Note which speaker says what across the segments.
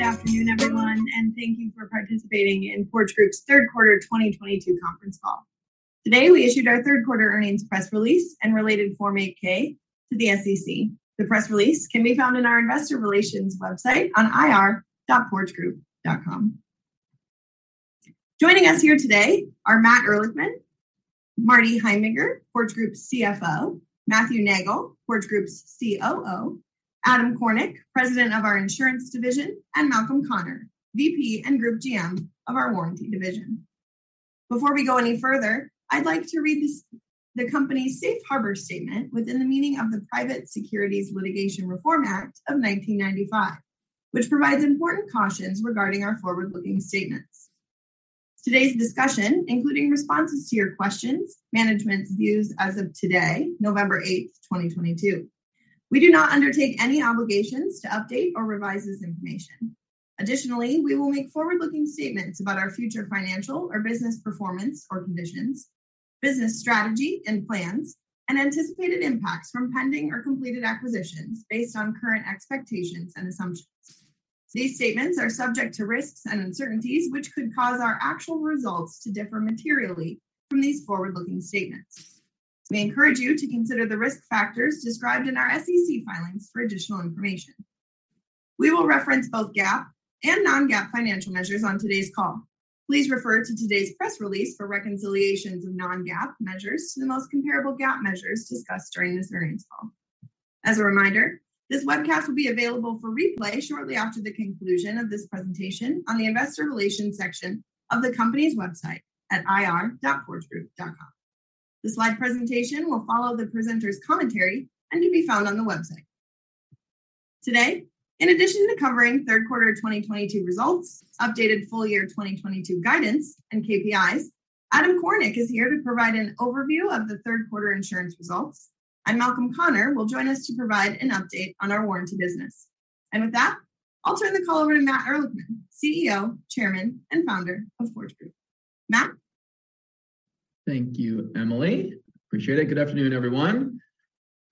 Speaker 1: Good afternoon, everyone, and thank you for participating in Porch Group's third quarter 2022 conference call. Today, we issued our third quarter earnings press release and related Form 8-K to the SEC. The press release can be found on our investor relations website at ir.porchgroup.com. Joining us here today are Matt Ehrlichman; Marty Heimbigner, Porch Group's CFO; Matthew Neagle, Porch Group's COO; Adam Kornick, President of our Insurance Division; and Malcolm Conner, VP and Group GM of our Warranty Division. Before we go any further, I'd like to read the company's safe harbor statement within the meaning of the Private Securities Litigation Reform Act of 1995, which provides important cautions regarding our forward-looking statements. Today's discussion, including responses to your questions, management's views as of today, November 8, 2022. We do not undertake any obligations to update or revise this information. Additionally, we will make forward-looking statements about our future financial or business performance or conditions, business strategy and plans, and anticipated impacts from pending or completed acquisitions based on current expectations and assumptions. These statements are subject to risks and uncertainties, which could cause our actual results to differ materially from these forward-looking statements. We encourage you to consider the risk factors described in our SEC filings for additional information. We will reference both GAAP and non-GAAP financial measures on today's call. Please refer to today's press release for reconciliations of non-GAAP measures to the most comparable GAAP measures discussed during this earnings call. As a reminder, this webcast will be available for replay shortly after the conclusion of this presentation on the investor relations section of the company's website at ir.porchgroup.com. The slide presentation will follow the presenter's commentary and can be found on the website. Today, in addition to covering third quarter 2022 results, updated full year 2022 guidance and KPIs, Adam Kornick is here to provide an overview of the third quarter insurance results, and Malcolm Conner will join us to provide an update on our warranty business. With that, I'll turn the call over to Matt Ehrlichman, CEO, Chairman, and Founder of Porch Group. Matt?
Speaker 2: Thank you, Emily. Appreciate it. Good afternoon, everyone.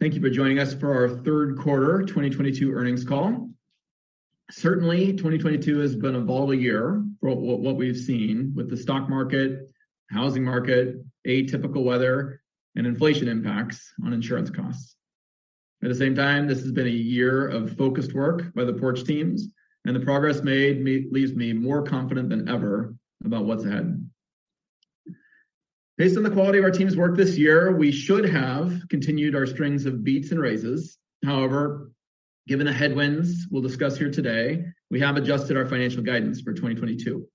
Speaker 2: Thank you for joining us for our third quarter 2022 earnings call. Certainly, 2022 has been a volatile year for what we've seen with the stock market, housing market, atypical weather, and inflation impacts on insurance costs. At the same time, this has been a year of focused work by the Porch teams, and the progress leaves me more confident than ever about what's ahead. Based on the quality of our team's work this year, we should have continued our strings of beats and raises. However, given the headwinds we'll discuss here today, we have adjusted our financial guidance for 2022.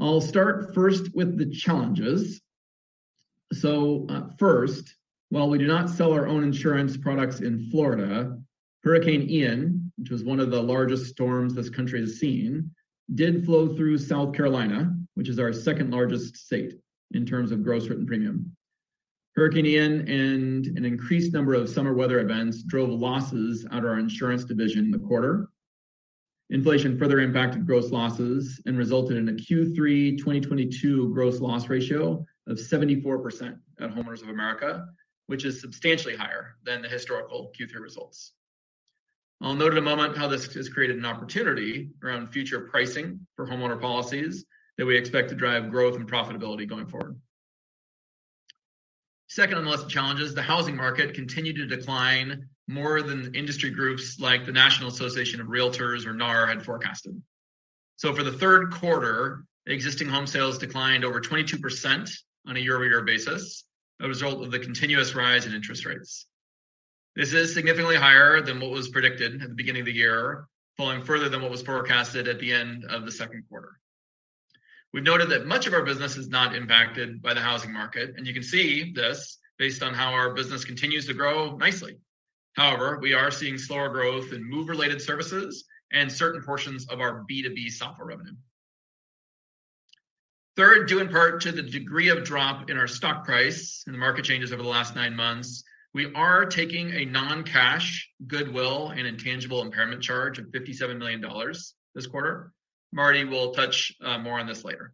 Speaker 2: I'll start first with the challenges. First, while we do not sell our own insurance products in Florida, Hurricane Ian, which was one of the largest storms this country has seen, did blow through South Carolina, which is our second-largest state in terms of gross written premium. Hurricane Ian and an increased number of summer weather events drove losses out of our insurance division in the quarter. Inflation further impacted gross losses and resulted in a Q3 2022 gross loss ratio of 74% at Homeowners of America, which is substantially higher than the historical Q3 results. I'll note in a moment how this has created an opportunity around future pricing for homeowner policies that we expect to drive growth and profitability going forward. Second amongst the challenges, the housing market continued to decline more than industry groups like the National Association of REALTORS or NAR had forecasted. For the third quarter, existing home sales declined over 22% on a year-over-year basis, a result of the continuous rise in interest rates. This is significantly higher than what was predicted at the beginning of the year, falling further than what was forecasted at the end of the second quarter. We've noted that much of our business is not impacted by the housing market, and you can see this based on how our business continues to grow nicely. However, we are seeing slower growth in move-related services and certain portions of our B2B software revenue. Third, due in part to the degree of drop in our stock price and the market changes over the last nine months, we are taking a non-cash goodwill and intangible impairment charge of $57 million this quarter. Marty will touch more on this later.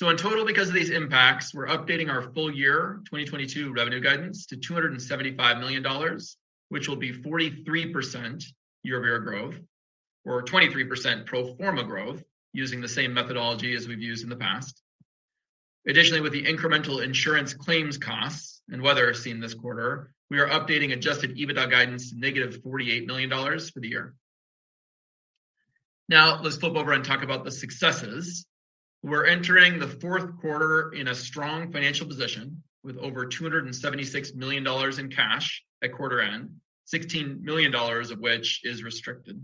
Speaker 2: In total, because of these impacts, we're updating our full year 2022 revenue guidance to $275 million, which will be 43% year-over-year growth or 23% pro forma growth using the same methodology as we've used in the past. Additionally, with the incremental insurance claims costs and weather seen this quarter, we are updating adjusted EBITDA guidance to -$48 million for the year. Now, let's flip over and talk about the successes. We're entering the fourth quarter in a strong financial position with over $276 million in cash at quarter end, $16 million of which is restricted.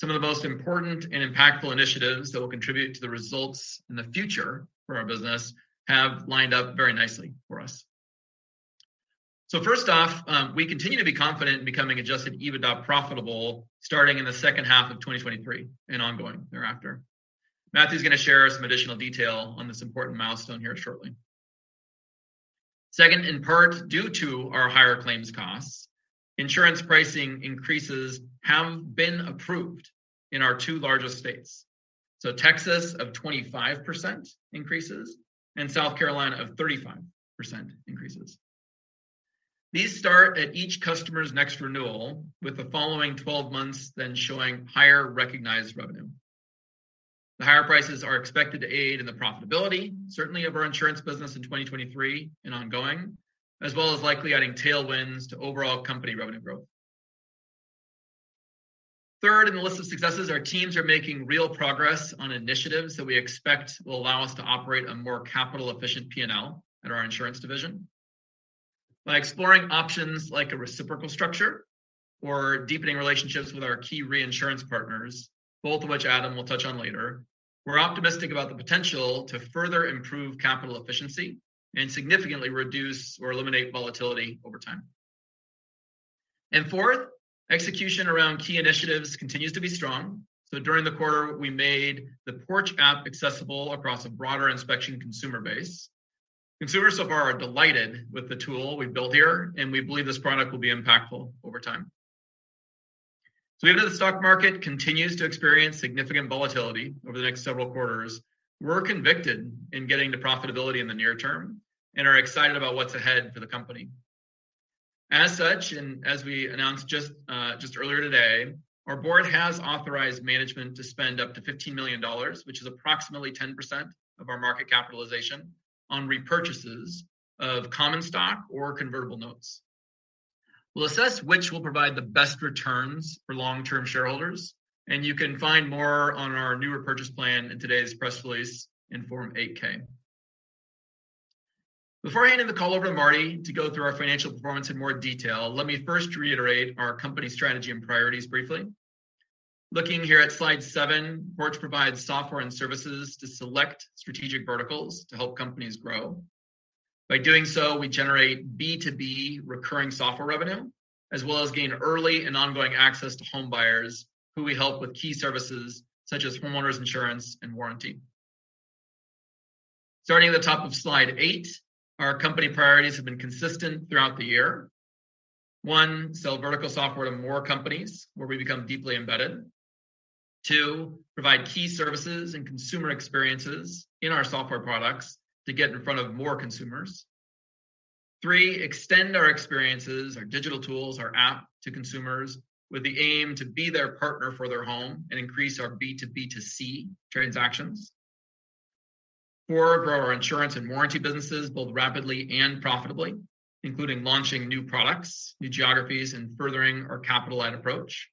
Speaker 2: Some of the most important and impactful initiatives that will contribute to the results in the future for our business have lined up very nicely for us. First off, we continue to be confident in becoming adjusted EBITDA profitable starting in the second half of 2023 and ongoing thereafter. Matthew's gonna share some additional detail on this important milestone here shortly. Second, in part due to our higher claims costs, insurance pricing increases have been approved in our two largest states, so Texas of 25% increases and South Carolina of 35% increases. These start at each customer's next renewal, with the following 12 months then showing higher recognized revenue. The higher prices are expected to aid in the profitability, certainly of our insurance business in 2023 and ongoing, as well as likely adding tailwinds to overall company revenue growth. Third in the list of successes, our teams are making real progress on initiatives that we expect will allow us to operate a more capital-efficient P&L at our insurance division. By exploring options like a reciprocal structure or deepening relationships with our key reinsurance partners, both of which Adam will touch on later, we're optimistic about the potential to further improve capital efficiency and significantly reduce or eliminate volatility over time. Fourth, execution around key initiatives continues to be strong. During the quarter, we made the Porch app accessible across a broader inspection consumer base. Consumers so far are delighted with the tool we've built here, and we believe this product will be impactful over time. Even though the stock market continues to experience significant volatility over the next several quarters, we're convicted in getting to profitability in the near term and are excited about what's ahead for the company. As such, as we announced just earlier today, our board has authorized management to spend up to $15 million, which is approximately 10% of our market capitalization, on repurchases of common stock or convertible notes. We'll assess which will provide the best returns for long-term shareholders, and you can find more on our new repurchase plan in today's press release in Form 8-K. Before I hand the call over to Marty to go through our financial performance in more detail, let me first reiterate our company strategy and priorities briefly. Looking here at slide 7, Porch provides software and services to select strategic verticals to help companies grow. By doing so, we generate B2B recurring software revenue, as well as gain early and ongoing access to home buyers who we help with key services such as homeowners insurance and warranty. Starting at the top of slide eight, our company priorities have been consistent throughout the year. One, sell vertical software to more companies where we become deeply embedded. Two, provide key services and consumer experiences in our software products to get in front of more consumers. Three, extend our experiences, our digital tools, our app to consumers with the aim to be their partner for their home and increase our B2B2C transactions. Four, grow our insurance and warranty businesses, both rapidly and profitably, including launching new products, new geographies, and furthering our capital-light approach.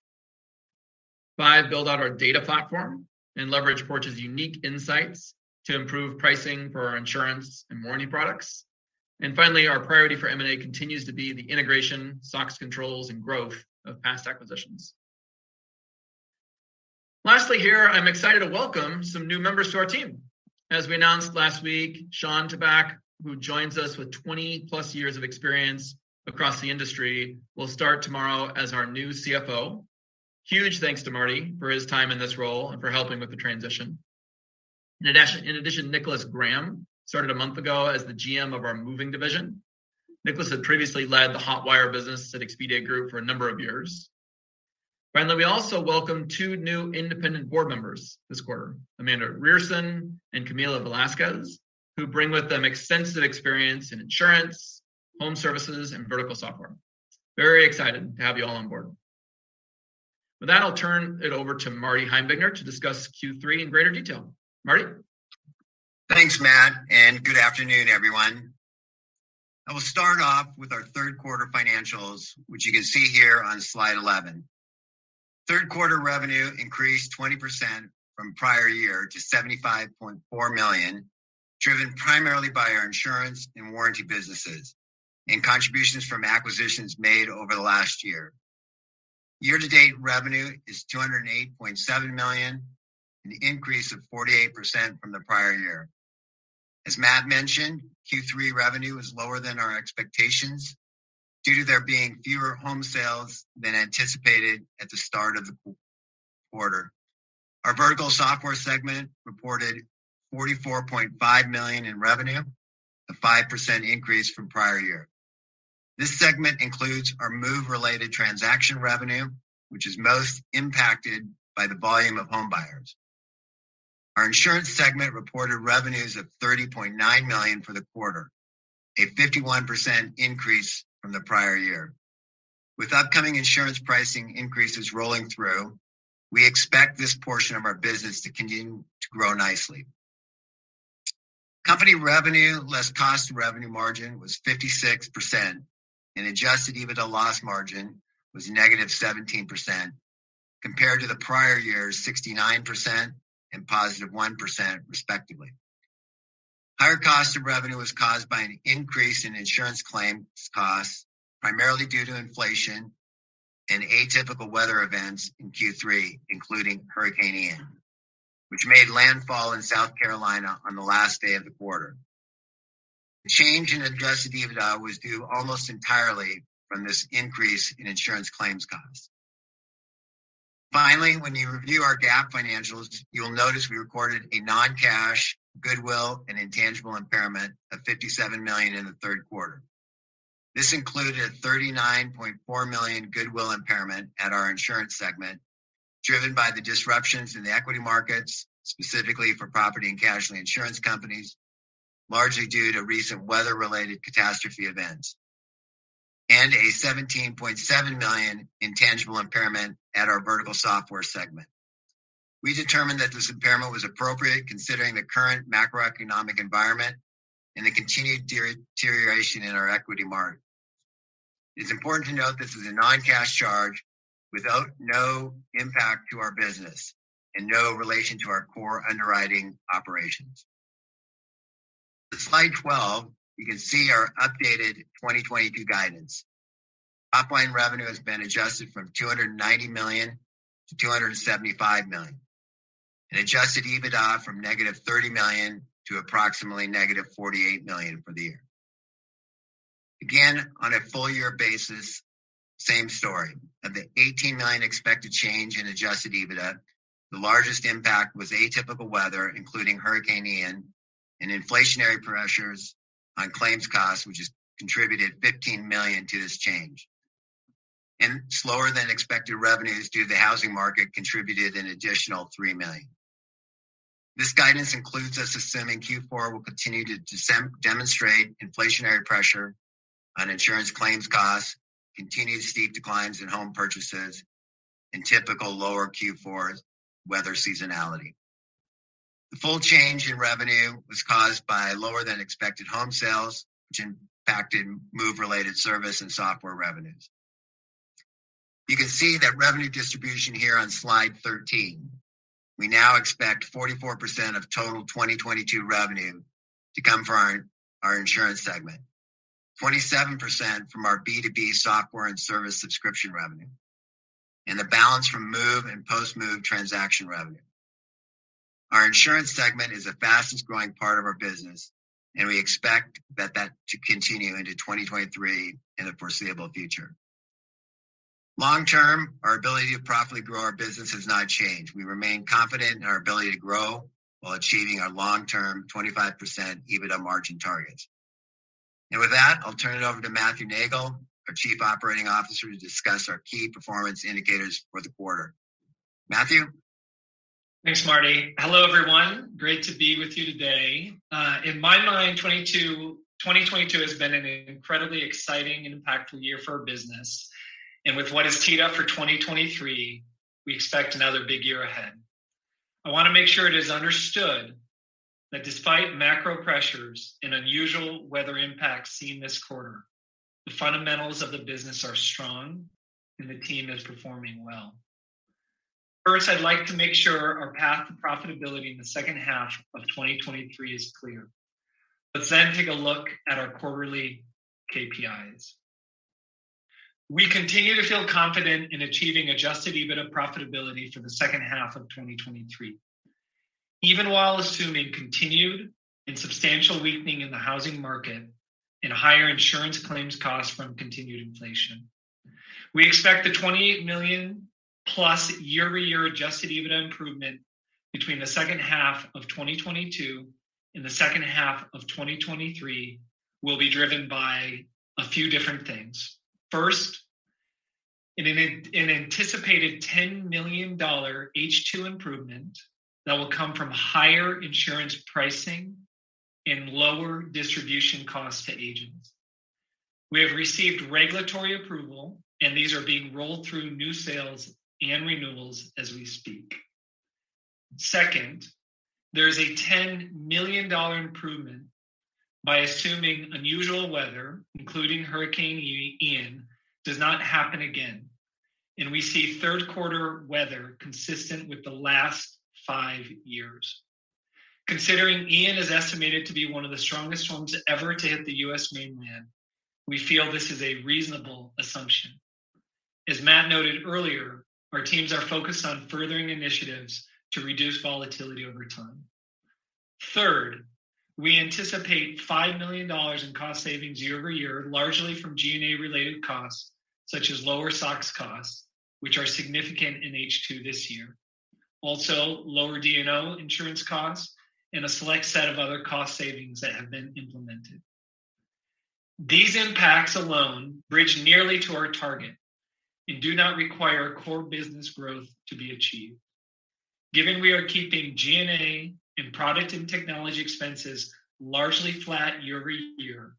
Speaker 2: Five, build out our data platform and leverage Porch's unique insights to improve pricing for our insurance and warranty products. Finally, our priority for M&A continues to be the integration, SOX controls, and growth of past acquisitions. Lastly here, I'm excited to welcome some new members to our team. As we announced last week, Sean Tabak, who joins us with 20+ years of experience across the industry, will start tomorrow as our new CFO. Huge thanks to Marty for his time in this role and for helping with the transition. In addition, Nicolas Graham started a month ago as the GM of our moving division. Nicolas had previously led the Hotwire business at Expedia Group for a number of years. Finally, we also welcome two new independent board members this quarter, Amanda Reierson and Camilla Velasquez, who bring with them extensive experience in insurance, home services, and vertical software. Very excited to have you all on board. With that, I'll turn it over to Marty Heimbigner to discuss Q3 in greater detail. Marty?
Speaker 3: Thanks, Matt, and good afternoon, everyone. I will start off with our third quarter financials, which you can see here on slide 11. Third quarter revenue increased 20% from prior year to $75.4 million, driven primarily by our insurance and warranty businesses and contributions from acquisitions made over the last year. Year-to-date revenue is $208.7 million, an increase of 48% from the prior year. As Matt mentioned, Q3 revenue was lower than our expectations due to there being fewer home sales than anticipated at the start of the quarter. Our vertical software segment reported $44.5 million in revenue, a 5% increase from prior year. This segment includes our move-related transaction revenue, which is most impacted by the volume of home buyers. Our insurance segment reported revenues of $30.9 million for the quarter, a 51% increase from the prior year. With upcoming insurance pricing increases rolling through, we expect this portion of our business to continue to grow nicely. Company revenue less cost of revenue margin was 56% and adjusted EBITDA loss margin was -17%, compared to the prior year's 69% and +1% respectively. Higher cost of revenue was caused by an increase in insurance claims costs, primarily due to inflation and atypical weather events in Q3, including Hurricane Ian, which made landfall in South Carolina on the last day of the quarter. The change in adjusted EBITDA was due almost entirely from this increase in insurance claims costs. Finally, when you review our GAAP financials, you will notice we recorded a non-cash goodwill and intangible impairment of $57 million in the third quarter. This included a $39.4 million goodwill impairment at our insurance segment. Driven by the disruptions in the equity markets, specifically for property and casualty insurance companies, largely due to recent weather-related catastrophe events, and a $17.7 million intangible impairment at our vertical software segment. We determined that this impairment was appropriate considering the current macroeconomic environment and the continued deterioration in our equity market. It's important to note this is a non-cash charge with no impact to our business and no relation to our core underwriting operations. In slide 12, you can see our updated 2022 guidance. Top-line revenue has been adjusted from $290 million to $275 million. An adjusted EBITDA from -$30 million to approximately -$48 million for the year. Again, on a full year basis, same story. Of the $18 million expected change in adjusted EBITDA, the largest impact was atypical weather, including Hurricane Ian and inflationary pressures on claims costs, which has contributed $15 million to this change. Slower than expected revenues due to the housing market contributed an additional $3 million. This guidance includes us assuming Q4 will continue to demonstrate inflationary pressure on insurance claims costs, continued steep declines in home purchases, and typical lower Q4's weather seasonality. The full change in revenue was caused by lower than expected home sales, which impacted move-related service and software revenues. You can see that revenue distribution here on Slide 13. We now expect 44% of total 2022 revenue to come from our insurance segment. 27% from our B2B software and service subscription revenue, and the balance from move and post-move transaction revenue. Our insurance segment is the fastest-growing part of our business, and we expect that to continue into 2023 in the foreseeable future. Long term, our ability to profitably grow our business has not changed. We remain confident in our ability to grow while achieving our long-term 25% EBITDA margin targets. With that, I'll turn it over to Matthew Neagle, our Chief Operating Officer, to discuss our key performance indicators for the quarter. Matthew?
Speaker 4: Thanks, Marty. Hello, everyone. Great to be with you today. In my mind, 2022 has been an incredibly exciting and impactful year for our business. With what is teed up for 2023, we expect another big year ahead. I want to make sure it is understood that despite macro pressures and unusual weather impacts seen this quarter, the fundamentals of the business are strong and the team is performing well. First, I'd like to make sure our path to profitability in the second half of 2023 is clear. Let's then take a look at our quarterly KPIs. We continue to feel confident in achieving adjusted EBITDA profitability for the second half of 2023, even while assuming continued and substantial weakening in the housing market and higher insurance claims costs from continued inflation. We expect the 28 million plus year-over-year adjusted EBITDA improvement between the second half of 2022 and the second half of 2023 will be driven by a few different things. First, an anticipated $10 million H2 improvement that will come from higher insurance pricing and lower distribution costs to agents. We have received regulatory approval, and these are being rolled through new sales and renewals as we speak. Second, there is a $10 million improvement by assuming unusual weather, including Hurricane Ian, does not happen again, and we see third quarter weather consistent with the last five years. Considering Ian is estimated to be one of the strongest storms ever to hit the U.S. mainland, we feel this is a reasonable assumption. As Matt noted earlier, our teams are focused on furthering initiatives to reduce volatility over time. Third, we anticipate $5 million in cost savings year-over-year, largely from G&A related costs, such as lower SOX costs, which are significant in H2 this year. Also, lower D&O insurance costs and a select set of other cost savings that have been implemented. These impacts alone bridge nearly to our target and do not require core business growth to be achieved. Given we are keeping G&A and product and technology expenses largely flat year-over-year,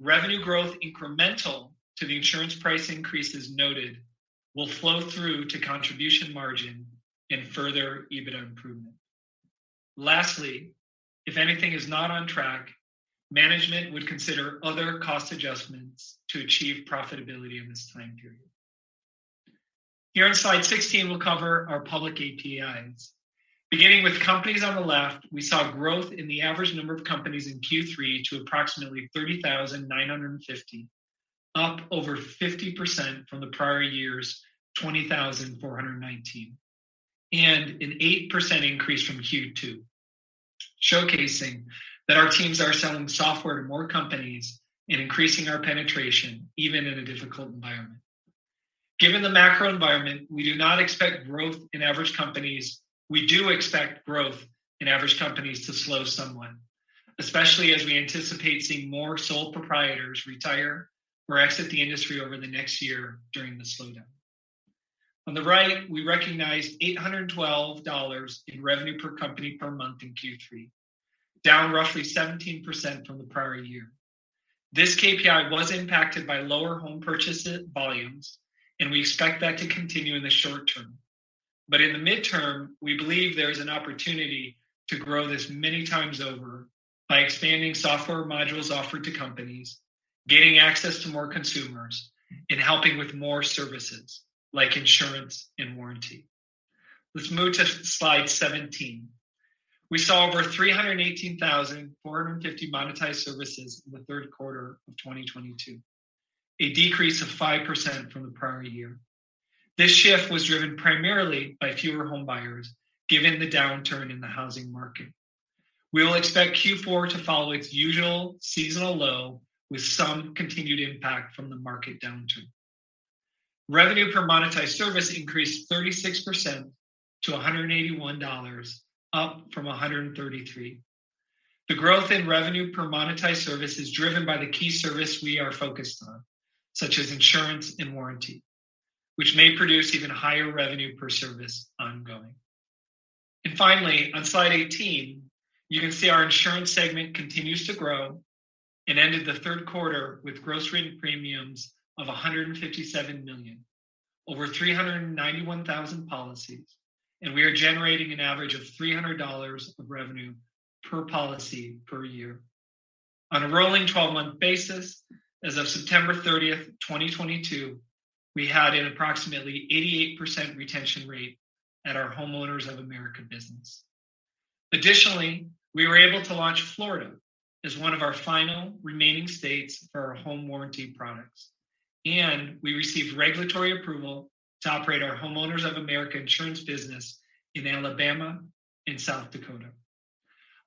Speaker 4: revenue growth incremental to the insurance price increases noted will flow through to contribution margin and further EBITDA improvement. Lastly, if anything is not on track, management would consider other cost adjustments to achieve profitability in this time period. Here on slide 16, we'll cover our public APIs. Beginning with companies on the left, we saw growth in the average number of companies in Q3 to approximately 30,950, up over 50% from the prior year's 20,419, and an 8% increase from Q2, showcasing that our teams are selling software to more companies and increasing our penetration even in a difficult environment. Given the macro environment, we do not expect growth in average companies. We do expect growth in average companies to slow somewhat, especially as we anticipate seeing more sole proprietors retire or exit the industry over the next year during the slowdown. On the right, we recognized $812 in revenue per company per month in Q3, down roughly 17% from the prior year. This KPI was impacted by lower home purchase volumes, and we expect that to continue in the short term. In the midterm, we believe there is an opportunity to grow this many times over by expanding software modules offered to companies, gaining access to more consumers, and helping with more services like insurance and warranty. Let's move to slide 17. We saw over 318,450 monetized services in the third quarter of 2022, a decrease of 5% from the prior year. This shift was driven primarily by fewer home buyers, given the downturn in the housing market. We will expect Q4 to follow its usual seasonal low with some continued impact from the market downturn. Revenue per monetized service increased 36% to $181, up from $133. The growth in revenue per monetized service is driven by the key service we are focused on, such as insurance and warranty, which may produce even higher revenue per service ongoing. Finally, on slide 18, you can see our insurance segment continues to grow and ended the third quarter with gross written premiums of $157 million, over 391,000 policies, and we are generating an average of $300 of revenue per policy per year. On a rolling twelve-month basis, as of September 30, 2022, we had an approximately 88% retention rate at our Homeowners of America business. Additionally, we were able to launch Florida as one of our final remaining states for our home warranty products, and we received regulatory approval to operate our Homeowners of America Insurance business in Alabama and South Dakota.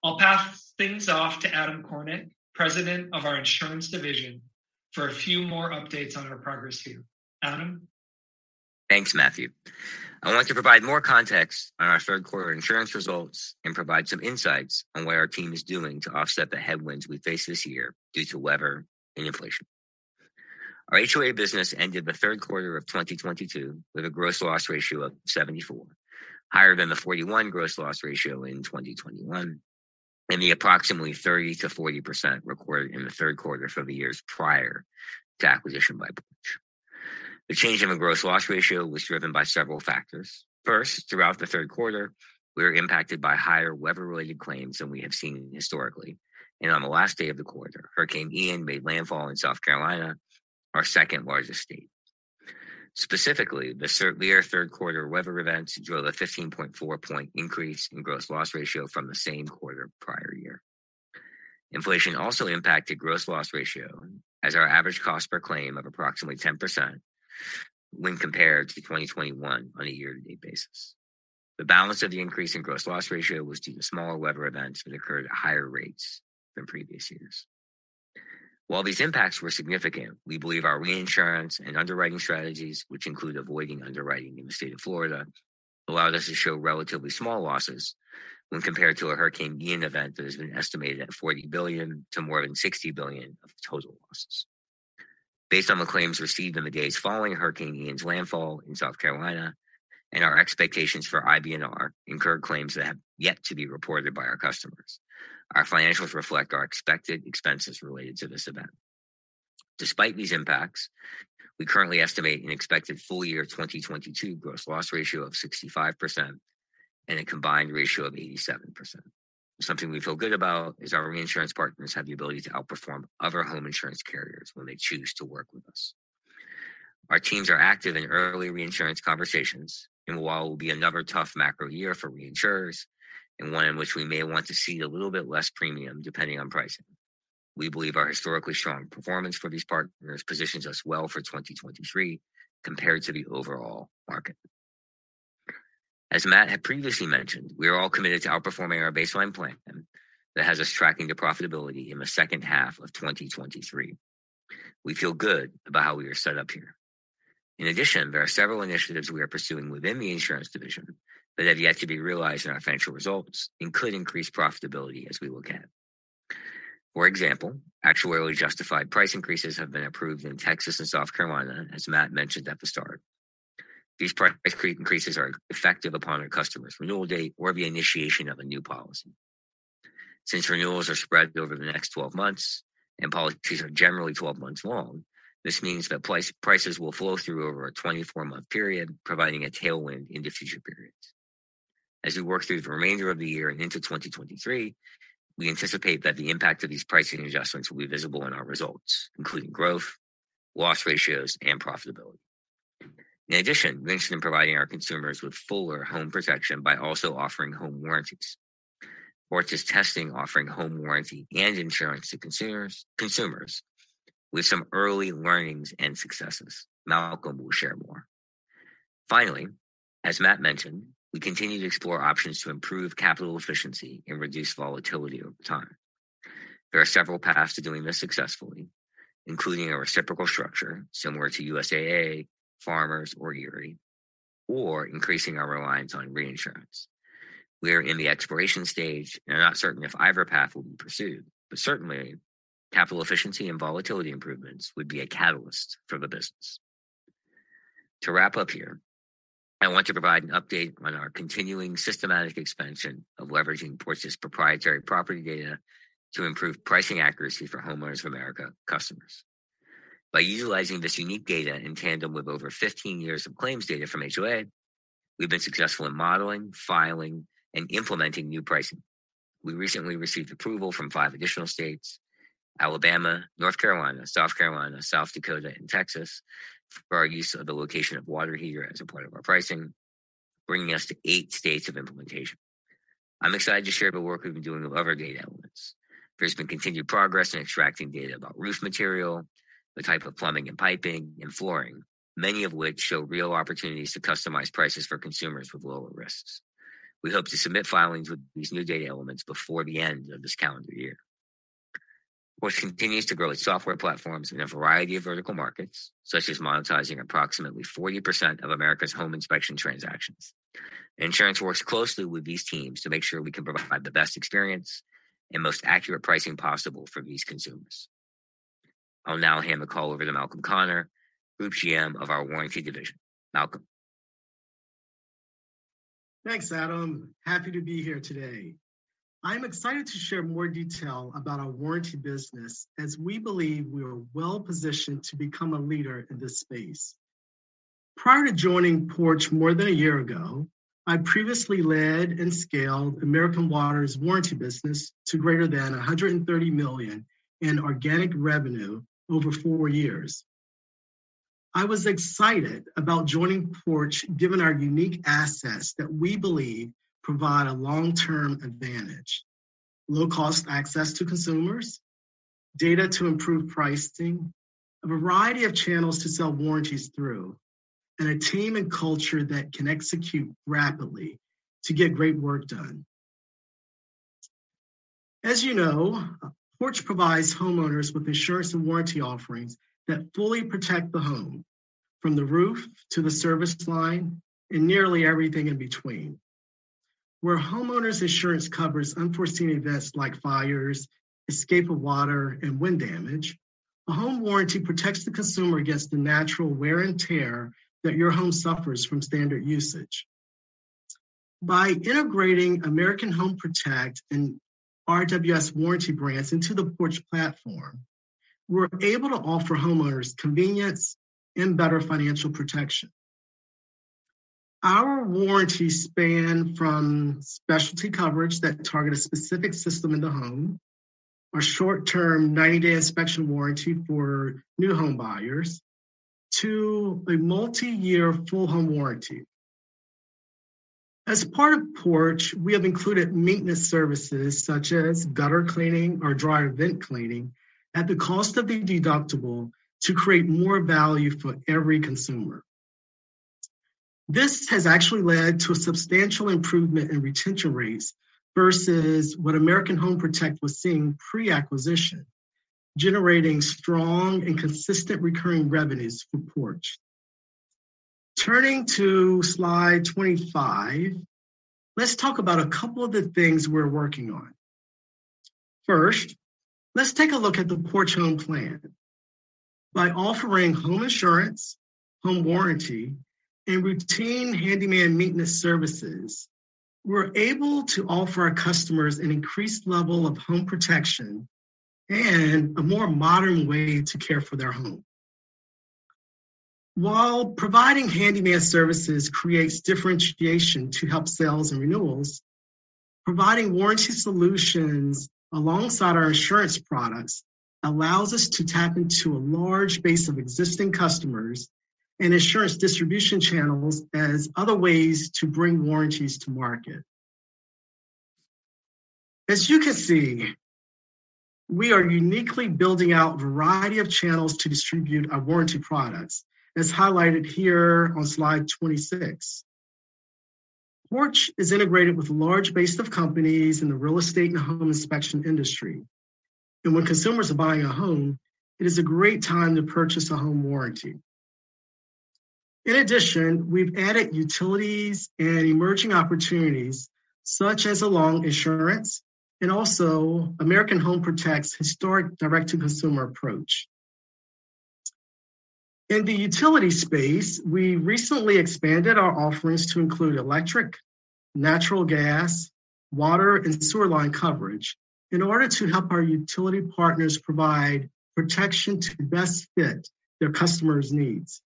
Speaker 4: I'll pass things off to Adam Kornick, President of our Insurance Division, for a few more updates on our progress here. Adam.
Speaker 5: Thanks, Matthew. I want to provide more context on our third quarter insurance results and provide some insights on what our team is doing to offset the headwinds we face this year due to weather and inflation. Our HOA business ended the third quarter of 2022 with a gross loss ratio of 74, higher than the 41 gross loss ratio in 2021, and the approximately 30%-40% recorded in the third quarter for the years prior to acquisition by Branch. The change in the gross loss ratio was driven by several factors. First, throughout the third quarter, we were impacted by higher weather-related claims than we have seen historically. On the last day of the quarter, Hurricane Ian made landfall in South Carolina, our second largest state. Specifically, this year's third quarter weather events drove a 15.4-point increase in gross loss ratio from the same quarter prior year. Inflation also impacted gross loss ratio as our average cost per claim of approximately 10% when compared to 2021 on a year-to-date basis. The balance of the increase in gross loss ratio was due to smaller weather events that occurred at higher rates than previous years. While these impacts were significant, we believe our reinsurance and underwriting strategies, which include avoiding underwriting in the state of Florida, allowed us to show relatively small losses when compared to a Hurricane Ian event that has been estimated at $40 billion to more than $60 billion of total losses. Based on the claims received in the days following Hurricane Ian's landfall in South Carolina, and our expectations for IBNR incurred claims that have yet to be reported by our customers, our financials reflect our expected expenses related to this event. Despite these impacts, we currently estimate an expected full-year 2022 gross loss ratio of 65% and a combined ratio of 87%. Something we feel good about is our reinsurance partners have the ability to outperform other home insurance carriers when they choose to work with us. Our teams are active in early reinsurance conversations, and while it will be another tough macro year for reinsurers and one in which we may want to see a little bit less premium depending on pricing, we believe our historically strong performance for these partners positions us well for 2023 compared to the overall market. As Matt had previously mentioned, we are all committed to outperforming our baseline plan that has us tracking to profitability in the second half of 2023. We feel good about how we are set up here. In addition, there are several initiatives we are pursuing within the insurance division that have yet to be realized in our financial results and could increase profitability as we look ahead. For example, actuarially justified price increases have been approved in Texas and South Carolina, as Matt mentioned at the start. These price increases are effective upon a customer's renewal date or the initiation of a new policy. Since renewals are spread over the next 12 months and policies are generally 12 months long, this means that prices will flow through over a 24-month period, providing a tailwind into future periods. As we work through the remainder of the year and into 2023, we anticipate that the impact of these pricing adjustments will be visible in our results, including growth, loss ratios, and profitability. In addition, we're interested in providing our consumers with fuller home protection by also offering home warranties. Fortress Testing offering home warranty and insurance to consumers with some early learnings and successes. Malcolm will share more. Finally, as Matt mentioned, we continue to explore options to improve capital efficiency and reduce volatility over time. There are several paths to doing this successfully, including a reciprocal structure similar to USAA, Farmers, or Erie. Increasing our reliance on reinsurance. We are in the exploration stage, and are not certain if either path will be pursued, but certainly capital efficiency and volatility improvements would be a catalyst for the business. To wrap up here, I want to provide an update on our continuing systematic expansion of leveraging Porch's proprietary property data to improve pricing accuracy for Homeowners of America customers. By utilizing this unique data in tandem with over 15 years of claims data from HOA, we've been successful in modeling, filing, and implementing new pricing. We recently received approval from 5 additional states, Alabama, North Carolina, South Carolina, South Dakota, and Texas, for our use of the location of water heater as a part of our pricing, bringing us to 8 states of implementation. I'm excited to share the work we've been doing with other data elements. There's been continued progress in extracting data about roof material, the type of plumbing and piping, and flooring. Many of which show real opportunities to customize prices for consumers with lower risks. We hope to submit filings with these new data elements before the end of this calendar year. Porch continues to grow its software platforms in a variety of vertical markets, such as monetizing approximately 40% of America's home inspection transactions. Insurance works closely with these teams to make sure we can provide the best experience and most accurate pricing possible for these consumers. I'll now hand the call over to Malcolm Conner, Group GM of our warranty division. Malcolm.
Speaker 6: Thanks, Adam. Happy to be here today. I'm excited to share more detail about our warranty business as we believe we are well-positioned to become a leader in this space. Prior to joining Porch more than a year ago, I previously led and scaled American Water's warranty business to greater than $130 million in organic revenue over four years. I was excited about joining Porch given our unique assets that we believe provide a long-term advantage, low cost access to consumers, data to improve pricing, a variety of channels to sell warranties through, and a team and culture that can execute rapidly to get great work done. As you know, Porch provides homeowners with insurance and warranty offerings that fully protect the home, from the roof to the service line and nearly everything in between. Where homeowners insurance covers unforeseen events like fires, escape of water, and wind damage, a home warranty protects the consumer against the natural wear and tear that your home suffers from standard usage. By integrating American Home Protect and RWS warranty brands into the Porch platform, we're able to offer homeowners convenience and better financial protection. Our warranties span from specialty coverage that target a specific system in the home, a short-term 90-day inspection warranty for new home buyers, to a multi-year full home warranty. As part of Porch, we have included maintenance services such as gutter cleaning or dryer vent cleaning at the cost of the deductible to create more value for every consumer. This has actually led to a substantial improvement in retention rates versus what American Home Protect was seeing pre-acquisition, generating strong and consistent recurring revenues for Porch. Turning to slide 25, let's talk about a couple of the things we're working on. First, let's take a look at the Porch home plan. By offering home insurance, home warranty, and routine handyman maintenance services, we're able to offer our customers an increased level of home protection and a more modern way to care for their home. While providing handyman services creates differentiation to help sales and renewals, providing warranty solutions alongside our insurance products allows us to tap into a large base of existing customers and insurance distribution channels as other ways to bring warranties to market. As you can see, we are uniquely building out a variety of channels to distribute our warranty products, as highlighted here on slide 26. Porch is integrated with a large base of companies in the real estate and home inspection industry. When consumers are buying a home, it is a great time to purchase a home warranty. In addition, we've added utilities and emerging opportunities such as home insurance and also American Home Protect's historic direct-to-consumer approach. In the utility space, we recently expanded our offerings to include electric, natural gas, water, and sewer line coverage in order to help our utility partners provide protection to best fit their customers' needs.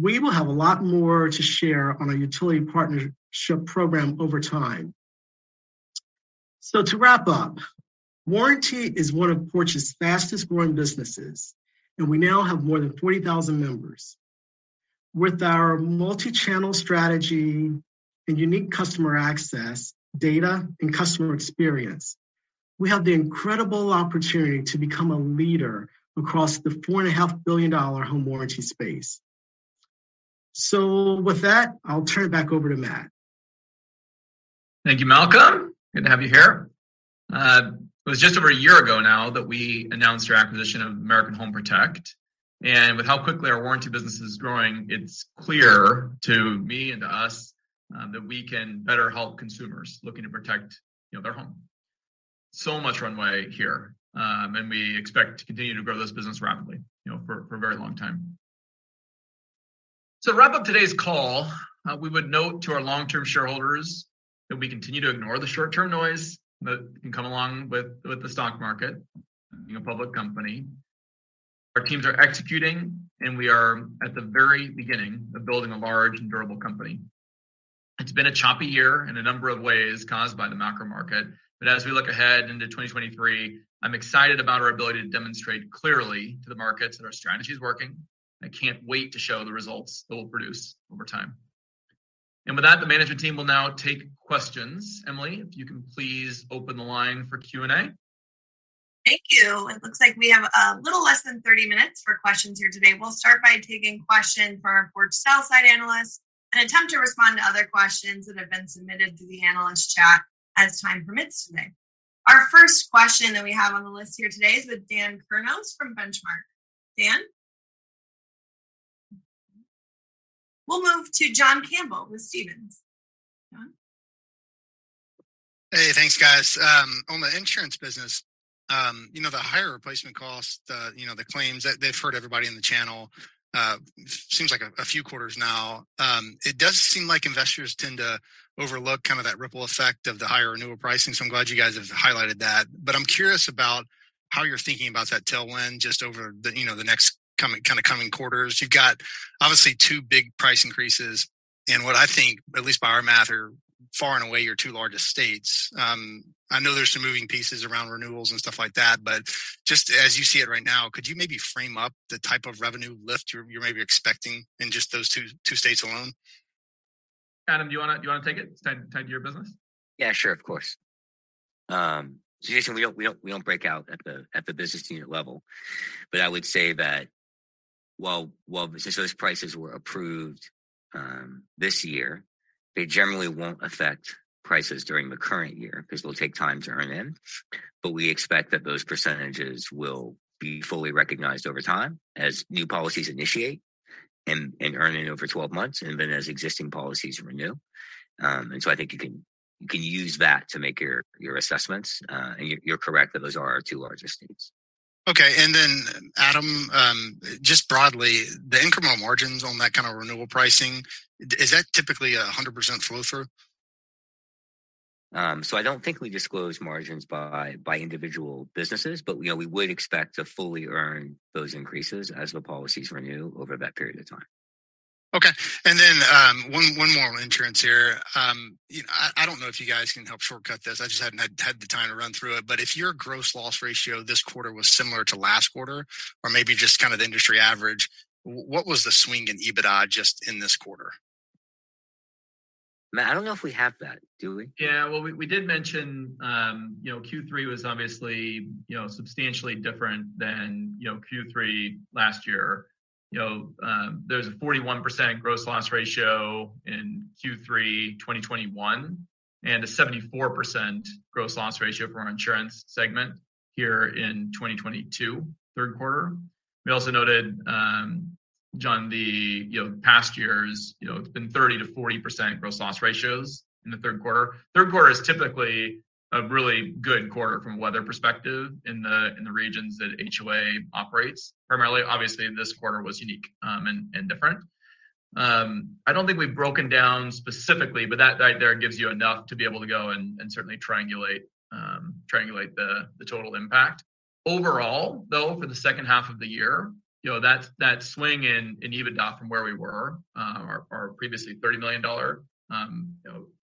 Speaker 6: We will have a lot more to share on our utility partnership program over time. To wrap up, warranty is one of Porch's fastest-growing businesses, and we now have more than 40,000 members. With our multi-channel strategy and unique customer access, data, and customer experience, we have the incredible opportunity to become a leader across the $4.5 billion home warranty space. With that, I'll turn it back over to Matt.
Speaker 2: Thank you, Malcolm. Good to have you here. It was just over a year ago now that we announced our acquisition of American Home Protect. With how quickly our warranty business is growing, it's clear to me and to us that we can better help consumers looking to protect, you know, their home. Much runway here. We expect to continue to grow this business rapidly, you know, for a very long time. To wrap up today's call, we would note to our long-term shareholders that we continue to ignore the short-term noise that can come along with the stock market, being a public company. Our teams are executing, and we are at the very beginning of building a large and durable company. It's been a choppy year in a number of ways caused by the macro market. As we look ahead into 2023, I'm excited about our ability to demonstrate clearly to the markets that our strategy is working. I can't wait to show the results that we'll produce over time. With that, the management team will now take questions. Emily, if you can please open the line for Q&A.
Speaker 1: Thank you. It looks like we have a little less than 30 minutes for questions here today. We'll start by taking questions from our Forbes sell-side analysts and attempt to respond to other questions that have been submitted through the analyst chat as time permits today. Our first question that we have on the list here today is with Daniel Kurnos from Benchmark. Dan? We'll move to John Campbell with Stevens. John?
Speaker 7: Hey, thanks, guys. On the insurance business, you know, the higher replacement cost, you know, the claims that they've had everybody in the channel seems like a few quarters now. It does seem like investors tend to overlook kind of that ripple effect of the higher renewal pricing, so I'm glad you guys have highlighted that. I'm curious about how you're thinking about that tailwind just over you know the next coming quarters. You've got obviously two big price increases in what I think, at least by our math, are far and away your two largest states. I know there's some moving parts around renewals and stuff like that, but just as you see it right now, could you maybe frame up the type of revenue lift you're maybe expecting in just those two states alone?
Speaker 2: Adam, do you wanna take it? It's tied to your business.
Speaker 5: Yeah, sure, of course. Jason, we don't break out at the business unit level. I would say that since those prices were approved this year, they generally won't affect prices during the current year because it'll take time to earn in. We expect that those percentages will be fully recognized over time as new policies initiate and earn in over 12 months and then as existing policies renew. I think you can use that to make your assessments. You're correct that those are our two largest states.
Speaker 7: Okay, Adam, just broadly, the incremental margins on that kind of renewal pricing, is that typically 100% flow-through?
Speaker 5: I don't think we disclose margins by individual businesses, but you know, we would expect to fully earn those increases as the policies renew over that period of time.
Speaker 7: Okay. One more on insurance here. You know, I don't know if you guys can help shortcut this. I just haven't had the time to run through it. If your gross loss ratio this quarter was similar to last quarter or maybe just kind of the industry average, what was the swing in EBITDA just in this quarter?
Speaker 5: Matt, I don't know if we have that. Do we?
Speaker 2: Yeah, well, we did mention, you know, Q3 was obviously, you know, substantially different than, you know, Q3 last year. You know, there's a 41% gross loss ratio in Q3 2021 and a 74% gross loss ratio for our insurance segment here in 2022, third quarter. We also noted, John, the, you know, past years, you know, it's been 30%-40% gross loss ratios in the third quarter. Third quarter is typically a really good quarter from a weather perspective in the regions that HOA operates. Primarily, obviously, this quarter was unique and different. I don't think we've broken down specifically, but that right there gives you enough to be able to go and certainly triangulate the total impact. Overall, though, for the second half of the year, you know, that swing in EBITDA from where we were, our previously $30 million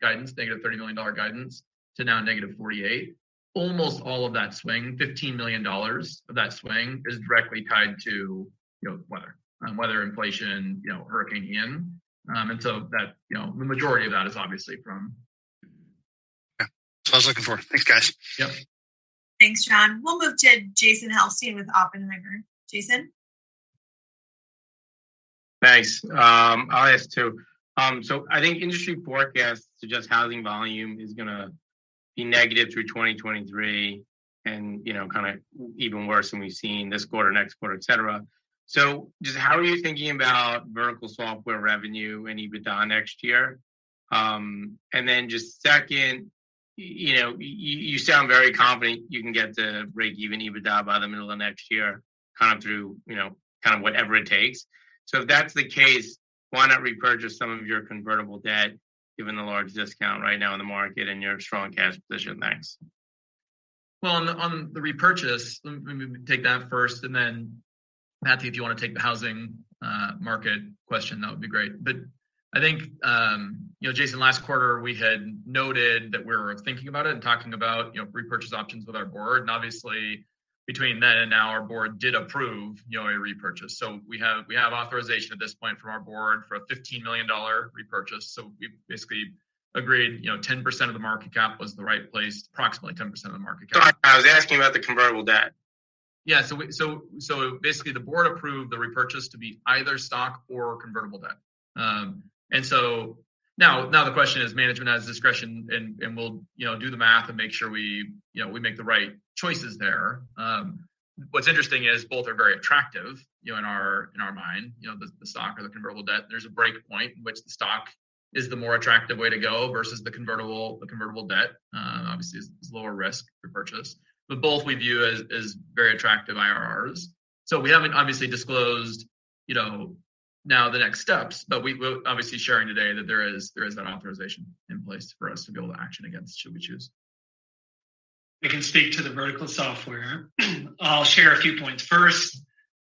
Speaker 2: guidance, negative $30 million guidance to now negative $48 million, almost all of that swing, $15 million of that swing, is directly tied to, you know, weather. Weather inflation, you know, Hurricane Ian. That, you know, the majority of that is obviously from...
Speaker 7: Yeah. That's what I was looking for. Thanks, guys.
Speaker 2: Yep.
Speaker 1: Thanks, John. We'll move to Jason Helfstein with Oppenheimer. Jason?
Speaker 8: Thanks. I'll ask two. I think industry forecasts suggest housing volume is gonna be negative through 2023 and, you know, kinda even worse than we've seen this quarter, next quarter, et cetera. Just how are you thinking about vertical software revenue and EBITDA next year? And then just second, you know, you sound very confident you can get to break-even EBITDA by the middle of next year, kind of through, you know, kind of whatever it takes. If that's the case, why not repurchase some of your convertible debt given the large discount right now in the market and your strong cash position? Thanks.
Speaker 2: Well, on the repurchase, let me take that first, and then Matthew, if you wanna take the housing market question, that would be great. I think, you know, Jason, last quarter, we had noted that we were thinking about it and talking about, you know, repurchase options with our board. Obviously, between then and now, our board did approve, you know, a repurchase. We have authorization at this point from our board for a $15 million repurchase. We basically agreed, you know, 10% of the market cap was the right place, approximately 10% of the market cap.
Speaker 8: Got it. I was asking about the convertible debt.
Speaker 2: Basically the board approved the repurchase to be either stock or convertible debt. Now the question is management has discretion and we'll, you know, do the math and make sure we, you know, we make the right choices there. What's interesting is both are very attractive, you know, in our mind, you know, the stock or the convertible debt. There's a break point in which the stock is the more attractive way to go versus the convertible debt obviously is lower risk repurchase. But both we view as very attractive IRRs. We haven't obviously disclosed, you know, the next steps, but we will obviously share today that there is that authorization in place for us to be able to act on should we choose.
Speaker 4: I can speak to the vertical software. I'll share a few points. First,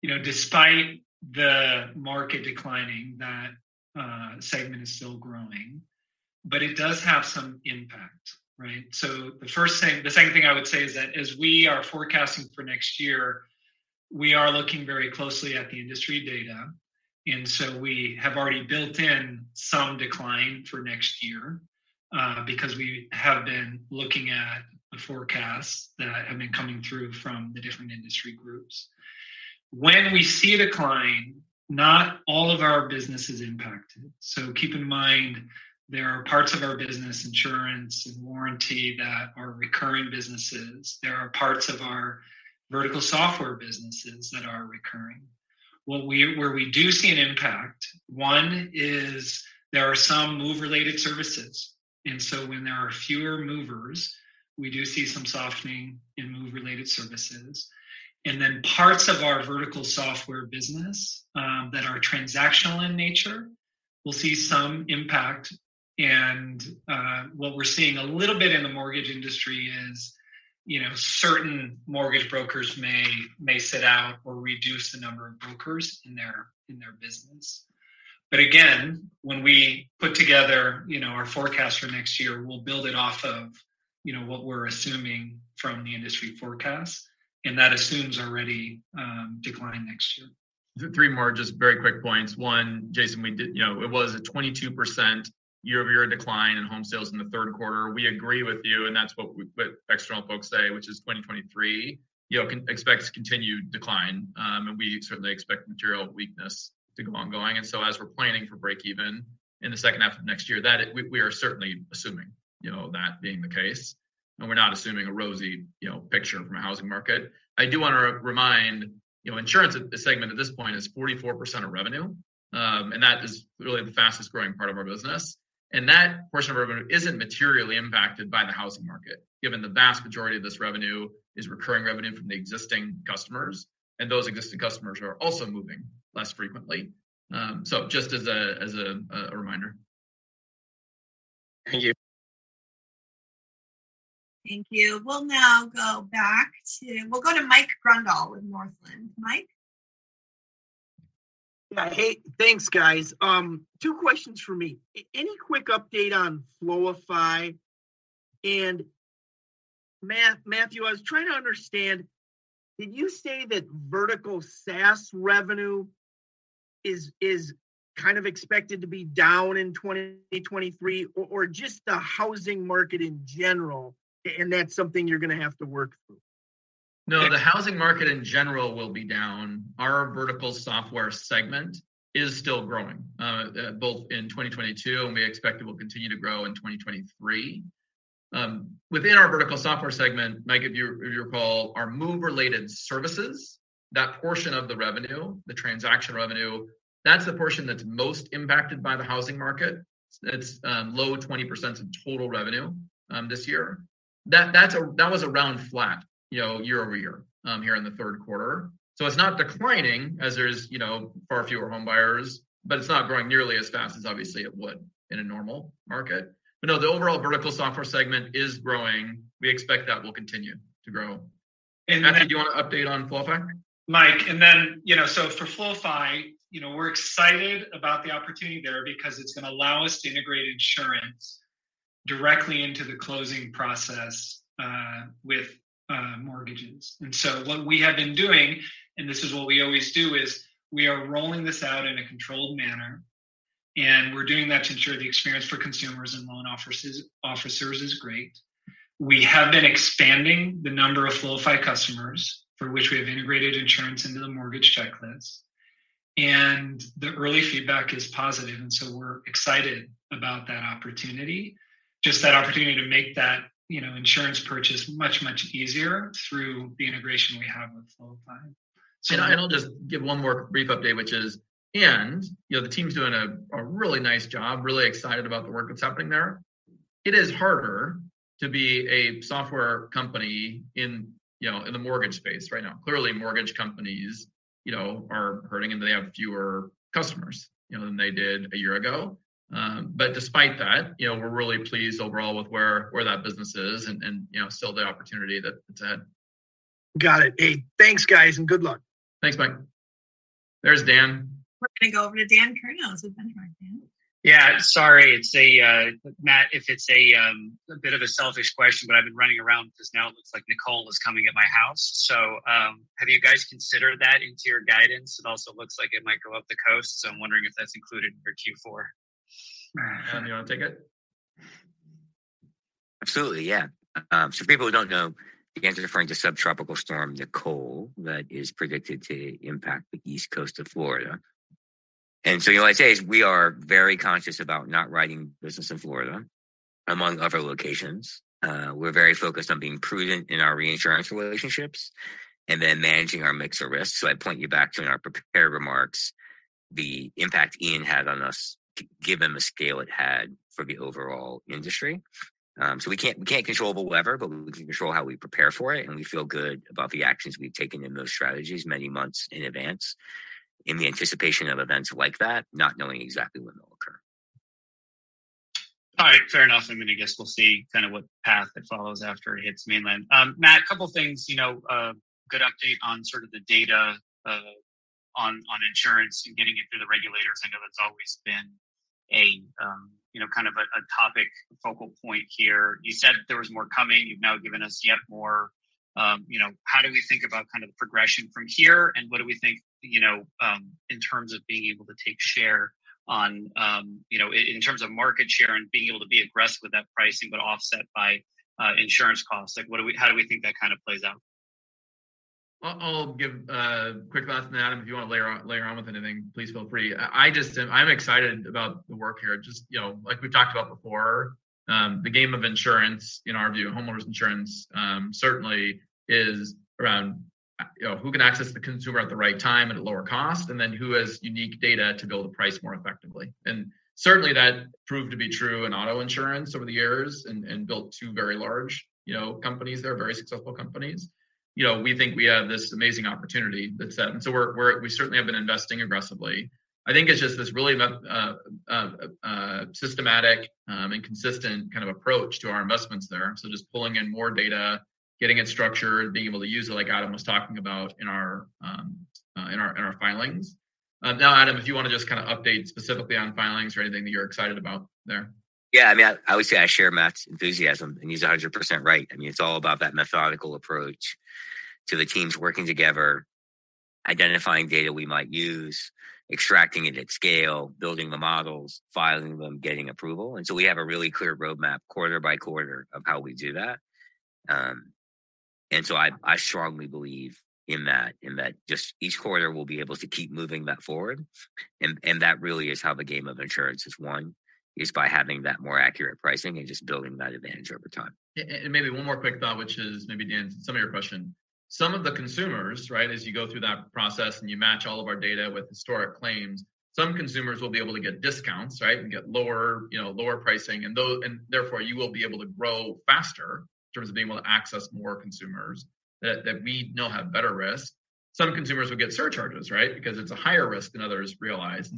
Speaker 4: you know, despite the market declining, that segment is still growing, but it does have some impact, right? The first thing, the second thing I would say is that as we are forecasting for next year, we are looking very closely at the industry data, and so we have already built in some decline for next year, because we have been looking at the forecasts that have been coming through from the different industry groups. When we see a decline, not all of our business is impacted. Keep in mind there are parts of our business, insurance and warranty, that are recurring businesses. There are parts of our vertical software businesses that are recurring. Where we do see an impact, one is there are some move-related services. When there are fewer movers, we do see some softening in move-related services. Parts of our vertical software business that are transactional in nature will see some impact and what we're seeing a little bit in the mortgage industry is you know certain mortgage brokers may sit out or reduce the number of brokers in their business. When we put together you know our forecast for next year, we'll build it off of you know what we're assuming from the industry forecast, and that assumes already decline next year.
Speaker 2: Three more just very quick points. One, Jason, you know, it was a 22% year-over-year decline in home sales in the third quarter. We agree with you, and that's what external folks say, which is 2023, you know, can expect to continue decline. We certainly expect material weakness to go ongoing. As we're planning for break even in the second half of next year, we are certainly assuming, you know, that being the case, and we're not assuming a rosy, you know, picture from a housing market. I do wanna remind, you know, insurance as a segment at this point is 44% of revenue, and that is really the fastest-growing part of our business. That portion of our revenue isn't materially impacted by the housing market, given the vast majority of this revenue is recurring revenue from the existing customers, and those existing customers are also moving less frequently. Just as a reminder.
Speaker 9: Thank you.
Speaker 1: Thank you. We'll go to Mike Grondahl with Northland. Mike?
Speaker 10: Yeah. Hey, thanks, guys. Two questions for me. Any quick update on Flowyfi? Matthew, I was trying to understand, did you say that vertical SaaS revenue is kind of expected to be down in 2023 or just the housing market in general and that's something you're gonna have to work through?
Speaker 2: No, the housing market in general will be down. Our vertical software segment is still growing both in 2022, and we expect it will continue to grow in 2023. Within our vertical software segment, Mike, if you recall, our move-related services, that portion of the revenue, the transaction revenue, that's the portion that's most impacted by the housing market. It's low 20% of total revenue this year. That was around flat, you know, year-over-year here in the third quarter. It's not declining as there's, you know, far fewer home buyers, but it's not growing nearly as fast as obviously it would in a normal market. No, the overall vertical software segment is growing. We expect that will continue to grow. Matthew, do you wanna update on Flowyfi?
Speaker 4: Mike, for Flowyfi, you know, we're excited about the opportunity there because it's gonna allow us to integrate insurance directly into the closing process with mortgages. What we have been doing, and this is what we always do, is we are rolling this out in a controlled manner, and we're doing that to ensure the experience for consumers and loan officers is great. We have been expanding the number of Flowyfi customers for which we have integrated insurance into the mortgage checklist, and the early feedback is positive, and we're excited about that opportunity. Just that opportunity to make that, you know, insurance purchase much, much easier through the integration we have with Flowyfi.
Speaker 2: I'll just give one more brief update, which is, you know, the team's doing a really nice job, really excited about the work that's happening there. It is harder to be a software company in, you know, in the mortgage space right now. Clearly, mortgage companies, you know, are hurting, and they have fewer customers, you know, than they did a year ago. Despite that, you know, we're really pleased overall with where that business is and, you know, still the opportunity that it's had.
Speaker 10: Got it. Hey, thanks, guys, and good luck.
Speaker 2: Thanks, Mike. There's Dan.
Speaker 1: We're gonna go over to Dan Kurnos with Benchmark. Dan?
Speaker 9: Sorry. Matt, if it's a bit of a selfish question, but I've been running around because now it looks like Nicole is coming at my house. Have you guys considered that into your guidance? It also looks like it might go up the coast, so I'm wondering if that's included for Q4.
Speaker 2: Matt, you wanna take it?
Speaker 5: Absolutely, yeah. People who don't know, Dan's referring to Subtropical Storm Nicole that is predicted to impact the East Coast of Florida. You know, what I'd say is we are very conscious about not writing business in Florida, among other locations. We're very focused on being prudent in our reinsurance relationships and then managing our mix of risks. I'd point you back to in our prepared remarks the impact Ian had on us given the scale it had for the overall industry. We can't control the weather, but we can control how we prepare for it, and we feel good about the actions we've taken in those strategies many months in advance in the anticipation of events like that, not knowing exactly when they'll occur.
Speaker 9: All right. Fair enough. I mean, I guess we'll see kind of what path it follows after it hits mainland. Matt, a couple things. You know, good update on sort of the data on insurance and getting it through the regulators. I know that's always been a you know, kind of a topic focal point here. You said there was more coming. You've now given us yet more. You know, how do we think about kind of the progression from here, and what do we think, you know, in terms of being able to take share on, you know, in terms of market share and being able to be aggressive with that pricing but offset by insurance costs? Like, how do we think that kind of plays out?
Speaker 2: I'll give a quick thought on that. If you wanna layer on with anything, please feel free. I'm excited about the work here. You know, like we've talked about before, the game of insurance, in our view, homeowners insurance, certainly is around, you know, who can access the consumer at the right time at a lower cost, and then who has unique data to build a price more effectively. Certainly that proved to be true in auto insurance over the years and built two very large, you know, companies that are very successful companies. You know, we think we have this amazing opportunity that's set, and so we certainly have been investing aggressively. I think it's just this really systematic and consistent kind of approach to our investments there. Just pulling in more data, getting it structured, being able to use it like Adam was talking about in our filings. Now, Adam, if you wanna just kinda update specifically on filings or anything that you're excited about there.
Speaker 5: Yeah, I mean, I would say I share Matt's enthusiasm, and he's 100% right. I mean, it's all about that methodical approach to the teams working together, identifying data we might use, extracting it at scale, building the models, filing them, getting approval. We have a really clear roadmap quarter by quarter of how we do that. I strongly believe in that just each quarter we'll be able to keep moving that forward. That really is how the game of insurance is won, is by having that more accurate pricing and just building that advantage over time.
Speaker 2: Maybe one more quick thought, which is maybe, Dan, to some of your question. Some of the consumers, right, as you go through that process and you match all of our data with historic claims, some consumers will be able to get discounts, right, and get lower, you know, lower pricing. Therefore, you will be able to grow faster in terms of being able to access more consumers that we know have better risk. Some consumers will get surcharges, right, because it's a higher risk than others realized.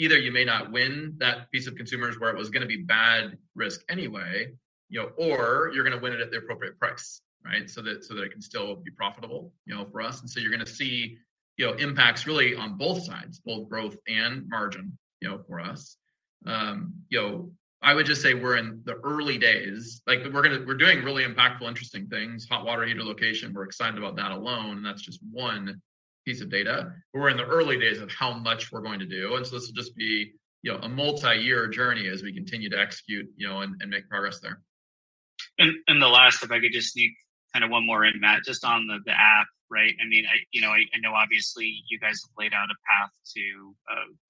Speaker 2: Either you may not win that piece of consumers where it was gonna be bad risk anyway, you know, or you're gonna win it at the appropriate price, right? So that it can still be profitable, you know, for us. You're gonna see, you know, impacts really on both sides, both growth and margin, you know, for us. You know, I would just say we're in the early days. Like we're doing really impactful, interesting things. Hot water heater location, we're excited about that alone, and that's just one piece of data. We're in the early days of how much we're going to do, and so this will just be, you know, a multi-year journey as we continue to execute, you know, and make progress there.
Speaker 9: The last, if I could just sneak kinda one more in, Matt, just on the app, right? I mean, you know, I know obviously you guys have laid out a path to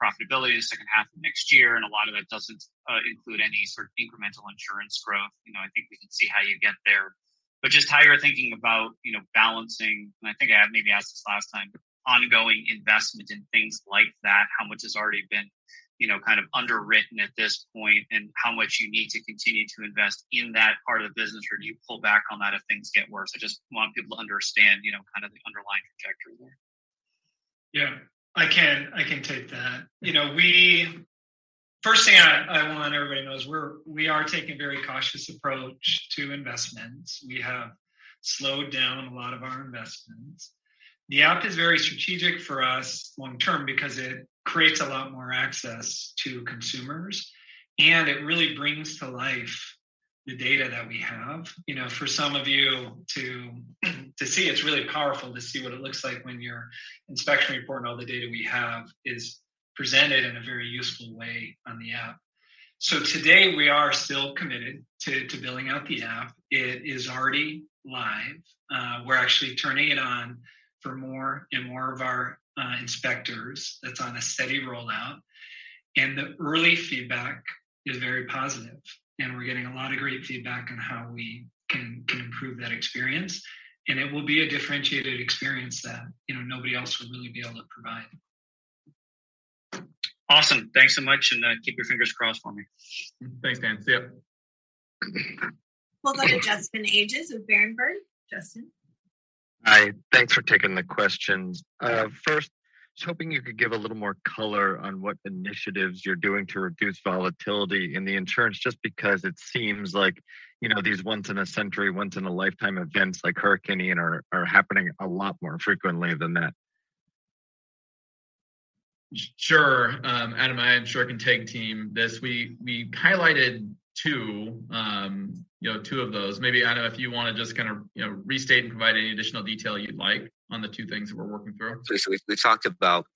Speaker 9: profitability in the second half of next year, and a lot of that doesn't include any sort of incremental insurance growth. You know, I think we can see how you get there. Just how you're thinking about, you know, balancing, and I think I had maybe asked this last time, but ongoing investment in things like that, how much has already been, you know, kind of underwritten at this point, and how much you need to continue to invest in that part of the business? Do you pull back on that if things get worse? I just want people to understand, you know, kind of the underlying trajectory there.
Speaker 4: Yeah. I can take that. You know, first thing I want everybody to know is we are taking a very cautious approach to investments. We have slowed down a lot of our investments. The app is very strategic for us long term because it creates a lot more access to consumers, and it really brings to life the data that we have. You know, for some of you to see, it's really powerful to see what it looks like when your inspection report and all the data we have is presented in a very useful way on the app. Today we are still committed to building out the app. It is already live. We're actually turning it on for more and more of our inspectors. That's on a steady rollout. The early feedback is very positive, and we're getting a lot of great feedback on how we can improve that experience. It will be a differentiated experience that, you know, nobody else would really be able to provide.
Speaker 9: Awesome. Thanks so much, and keep your fingers crossed for me.
Speaker 2: Thanks, Dan. See ya.
Speaker 1: We'll go to Justin Ages of Berenberg. Justin?
Speaker 11: Hi. Thanks for taking the questions. First, I was hoping you could give a little more color on what initiatives you're doing to reduce volatility in the insurance, just because it seems like, you know, these once in a century, once in a lifetime events like Hurricane Ian are happening a lot more frequently than that?
Speaker 2: Sure. Adam, I am sure I can tag team this. We highlighted two, you know, two of those. Maybe, Adam, if you wanna just kinda, you know, restate and provide any additional detail you'd like on the two things that we're working through.
Speaker 5: We talked about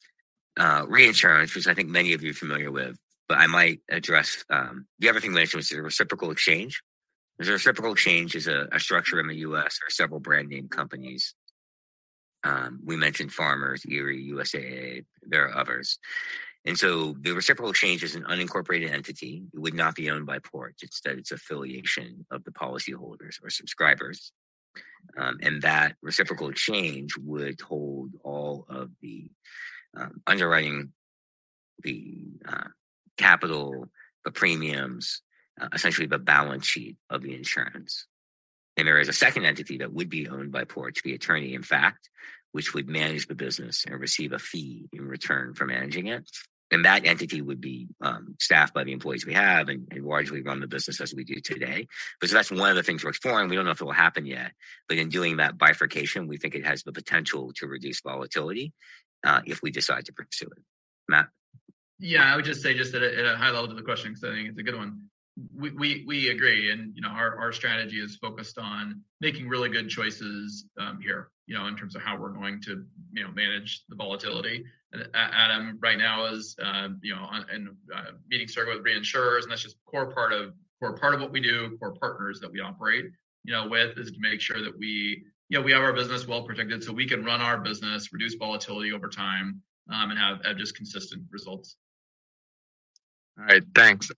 Speaker 5: reinsurance, which I think many of you are familiar with, but I might address the other thing we mentioned was the reciprocal exchange. The reciprocal exchange is a structure in the U.S. for several brand name companies. We mentioned Farmers, Erie, USAA, there are others. The reciprocal exchange is an unincorporated entity. It would not be owned by Porch. It's an affiliation of the policyholders or subscribers. That reciprocal exchange would hold all of the underwriting, the capital, the premiums, essentially the balance sheet of the insurance. There is a second entity that would be owned by Porch, the attorney-in-fact, which would manage the business and receive a fee in return for managing it. That entity would be staffed by the employees we have and largely run the business as we do today. That's one of the things we're exploring. We don't know if it will happen yet, but in doing that bifurcation, we think it has the potential to reduce volatility if we decide to pursue it. Matt?
Speaker 2: Yeah. I would just say at a high level to the question, 'cause I think it's a good one. We agree and, you know, our strategy is focused on making really good choices, here, you know, in terms of how we're going to, you know, manage the volatility. Adam Kornick right now is, you know, on a meeting circuit with reinsurers, and that's just a core part of what we do, core partners that we operate, you know, with is to make sure that we, you know, we have our business well protected so we can run our business, reduce volatility over time, and have just consistent results.
Speaker 11: All right. Thanks.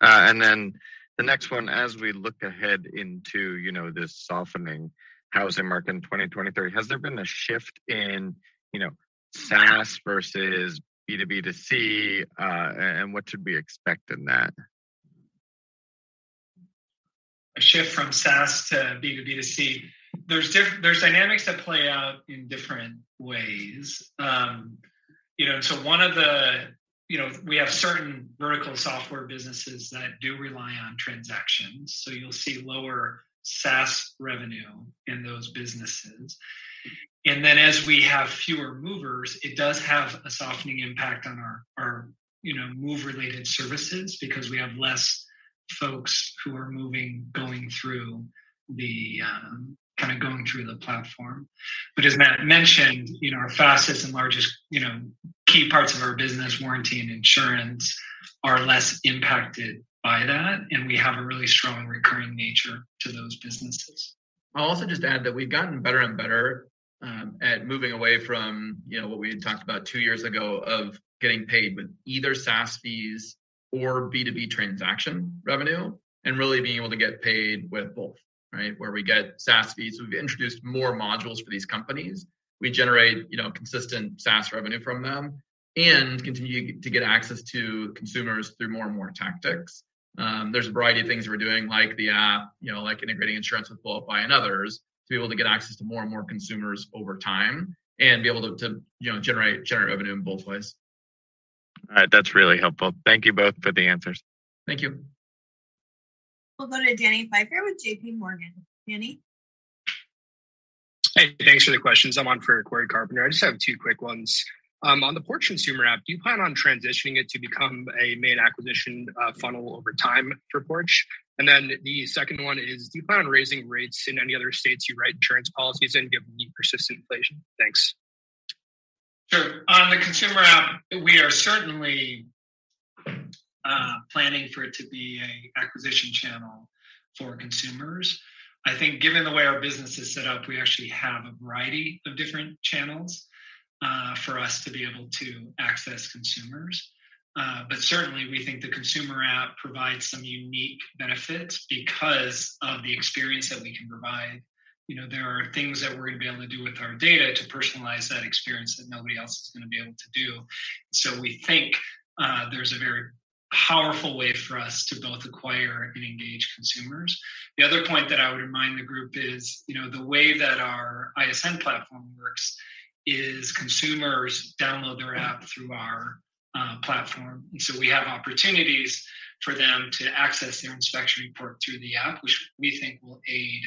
Speaker 11: The next one, as we look ahead into, you know, this softening housing market in 2023, has there been a shift in, you know, SaaS versus B2B2C, and what should we expect in that?
Speaker 4: A shift from SaaS to B2B2C. There's dynamics that play out in different ways. You know, we have certain vertical software businesses that do rely on transactions, so you'll see lower SaaS revenue in those businesses. As we have fewer movers, it does have a softening impact on our you know, move-related services because we have less folks who are moving, going through the platform. As Matt mentioned, you know, our fastest and largest you know, key parts of our business, warranty and insurance, are less impacted by that, and we have a really strong recurring nature to those businesses.
Speaker 2: I'll also just add that we've gotten better and better at moving away from, you know, what we had talked about two years ago of getting paid with either SaaS fees or B2B transaction revenue, and really being able to get paid with both, right? Where we get SaaS fees, we've introduced more modules for these companies. We generate, you know, consistent SaaS revenue from them and continue to get access to consumers through more and more tactics. There's a variety of things we're doing like the app, you know, like integrating insurance with Qualify and others to be able to to you know, generate revenue in both ways.
Speaker 11: All right. That's really helpful. Thank you both for the answers.
Speaker 4: Thank you.
Speaker 1: We'll go to Danny Pfeiffer with JP Morgan. Danny?
Speaker 5: Hey, thanks for the questions. I'm on for Corey Carpenter. I just have two quick ones. On the Porch consumer app, do you plan on transitioning it to become a main acquisition funnel over time for Porch? The second one is, do you plan on raising rates in any other states you write insurance policies in given the persistent inflation? Thanks.
Speaker 4: Sure. On the consumer app, we are certainly planning for it to be an acquisition channel for consumers. I think given the way our business is set up, we actually have a variety of different channels for us to be able to access consumers. But certainly we think the consumer app provides some unique benefit because of the experience that we can provide. You know, there are things that we're gonna be able to do with our data to personalize that experience that nobody else is gonna be able to do. So we think there's a very powerful way for us to both acquire and engage consumers. The other point that I would remind the group is, you know, the way that our ISN platform works is consumers download their app through our platform. We have opportunities for them to access their inspection report through the app, which we think will aid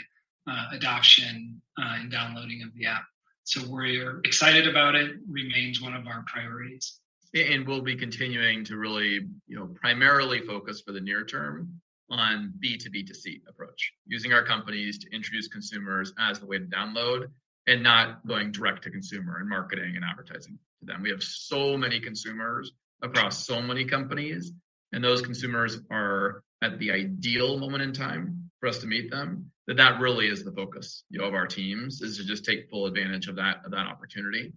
Speaker 4: adoption and downloading of the app. We're excited about it, remains one of our priorities.
Speaker 2: We'll be continuing to really, you know, primarily focus for the near term on B2B2C approach, using our companies to introduce consumers as the way to download and not going direct to consumer and marketing and advertising to them. We have so many consumers across so many companies, and those consumers are at the ideal moment in time for us to meet them, that really is the focus, you know, of our teams, is to just take full advantage of that, of that opportunity.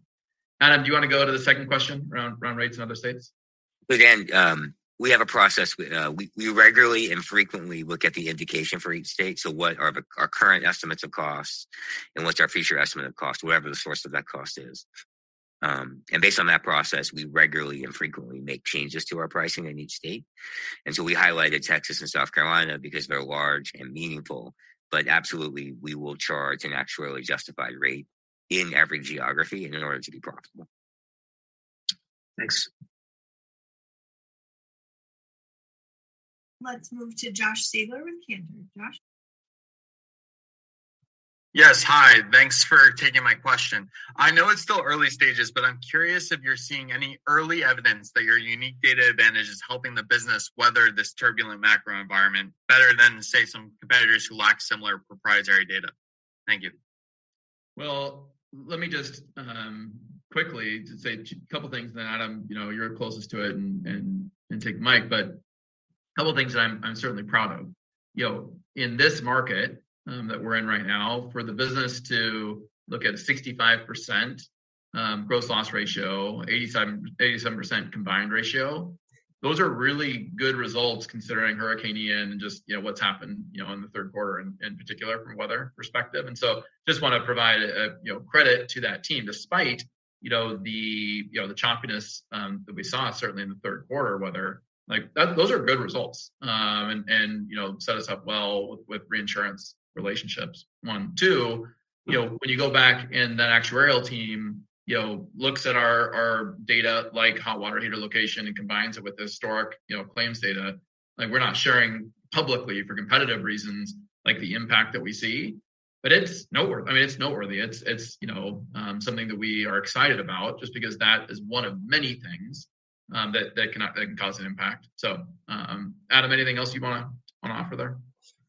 Speaker 2: Adam Kornick, do you wanna go to the second question around rates in other states?
Speaker 5: Again, we have a process. We regularly and frequently look at the indication for each state. What are our current estimates of cost and what's our future estimate of cost, whatever the source of that cost is. Based on that process, we regularly and frequently make changes to our pricing in each state. We highlighted Texas and South Carolina because they're large and meaningful, but absolutely we will charge an actuarially justified rate in every geography in order to be profitable. Thanks.
Speaker 1: Let's move to Josh Siegler with Cantor. Josh?
Speaker 5: Yes. Hi. Thanks for taking my question. I know it's still early stages, but I'm curious if you're seeing any early evidence that your unique data advantage is helping the business weather this turbulent macro environment better than, say, some competitors who lack similar proprietary data. Thank you.
Speaker 2: Well, let me just quickly say a couple things then Adam, you know, you're closest to it and take Mike. Couple things that I'm certainly proud of. You know, in this market that we're in right now, for the business to look at 65% gross loss ratio, 87% combined ratio, those are really good results considering Hurricane Ian and just, you know, what's happened, you know, in the third quarter in particular from weather perspective. Just wanna provide a credit to that team despite, you know, the choppiness that we saw certainly in the third quarter weather. Like, those are good results. And you know, set us up well with reinsurance relationships, one. Two, you know, when you go back and that actuarial team, you know, looks at our data like hot water heater location and combines it with historic claims data, like we're not sharing publicly for competitive reasons, like the impact that we see. But it's noteworthy. I mean, it's noteworthy. You know, something that we are excited about just because that is one of many things that can cause an impact. Adam, anything else you wanna offer there?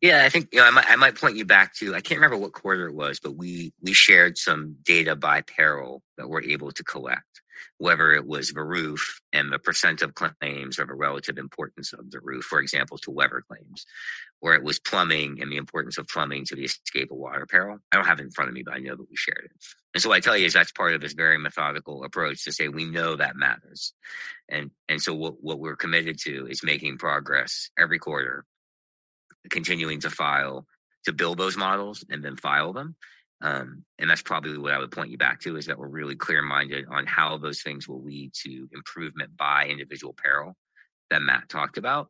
Speaker 5: Yeah. I think, you know, I might point you back to I can't remember what quarter it was, but we shared some data by peril that we're able to collect, whether it was the roof and the percent of claims or the relative importance of the roof, for example, to weather claims, or it was plumbing and the importance of plumbing to the escape of water peril. I don't have it in front of me, but I know that we shared it. What I tell you is that's part of this very methodical approach to say we know that matters. So what we're committed to is making progress every quarter, continuing to file, to build those models and then file them. That's probably what I would point you back to, is that we're really clear-minded on how those things will lead to improvement by individual peril that Matt talked about.